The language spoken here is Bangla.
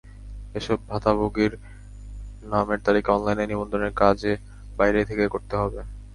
এসব ভাতাভোগীর নামের তালিকা অনলাইনে নিবন্ধনের কাজ বাইরে থেকে করতে হবে।